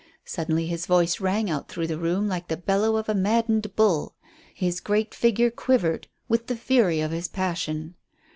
Suddenly his voice rang out through the room like the bellow of a maddened bull. His great figure quivered with the fury of his passion.